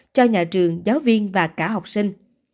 cho nhà trường giáo viên và cả học sinh